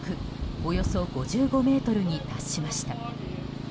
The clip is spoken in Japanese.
およそ５５メートルに達しました。